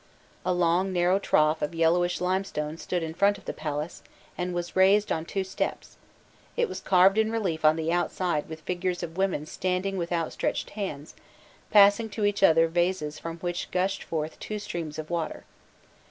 A long narrow trough of yellowish limestone stood in front of the palace, and was raised on two steps: it was carved in relief on the outside with figures of women standing with outstretched hands, passing to each other vases from which gushed forth two streams of water.